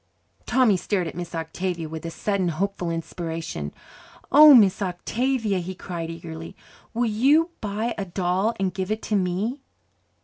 Tommy stared at Miss Octavia with a sudden hopeful inspiration. "Oh, Miss Octavia," he cried eagerly, "will you buy a doll and give it to me?"